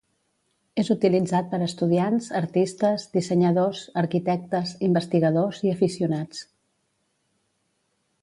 És utilitzat per estudiants, artistes, dissenyadors, arquitectes, investigadors i aficionats.